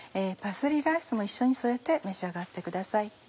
パセリライスも一緒に添えて召し上がってください。